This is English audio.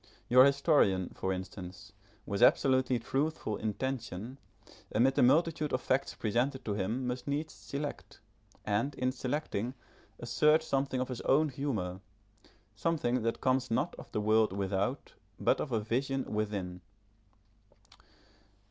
Your historian, for instance, with absolutely truthful intention, amid the multitude of facts presented to him must needs select, and in selecting assert something of his own humour, something that comes not of the world without but of a vision within.